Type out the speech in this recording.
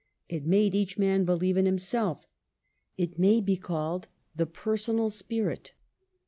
It made each man believe in himself. It may be called the "personal" spirit.